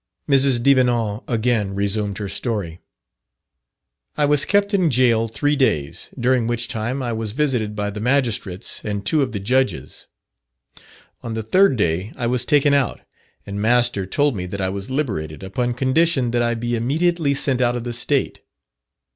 Mrs. Devenant again resumed her story: "I was kept in gaol three days, during which time I was visited by the Magistrates and two of the Judges. On the third day I was taken out, and master told me that I was liberated, upon condition that I be immediately sent out of the State.